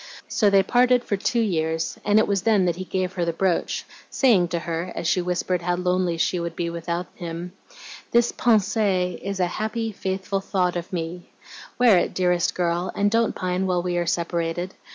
So they parted for two years, and it was then that he gave her the brooch, saying to her, as she whispered how lonely she should be without him, 'This PENSEE is a happy, faithful THOUGHT of me. Wear it, dearest girl, and don't pine while we are separated.